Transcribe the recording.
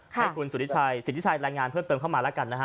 ให้คุณสุธิชัยสิทธิชัยรายงานเพิ่มเติมเข้ามาแล้วกันนะฮะ